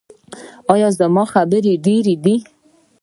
ایا زما خبرې ډیرې وې؟